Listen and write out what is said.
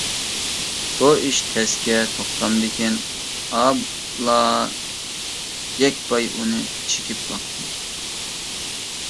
بۇ ئىش تەسكە توختامدىكىن، -ئابلا يەكپاي ئۇنى چېكىپ باقتى.